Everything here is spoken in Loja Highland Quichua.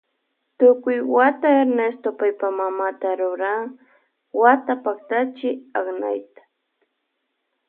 Tukuy wata Ernesto paypa mamata ruran wata paktachi aknayta.